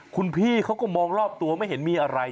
คุณพี่เขาก็มองรอบตัวไม่เห็นมีอะไร